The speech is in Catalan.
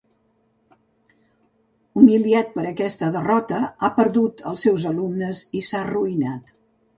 Humiliat per aquesta derrota, ha perdut els seus alumnes i s'ha arruïnat.